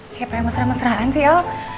siapa yang mesra mesraan sih el